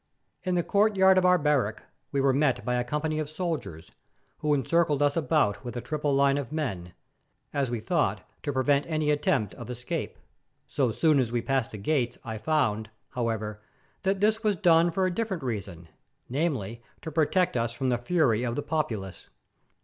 In the courtyard of our barrack we were met by a company of soldiers, who encircled us about with a triple line of men, as we thought to prevent any attempt of escape. So soon as we passed the gates I found, however, that this was done for a different reason, namely, to protect us from the fury of the populace.